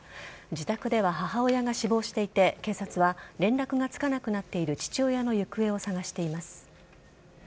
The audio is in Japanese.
自宅では母親が死亡していて警察は連絡がつかなくなっている父親の行方を捜しています。